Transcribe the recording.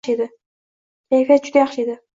Kayfiyati juda yaxshi edi.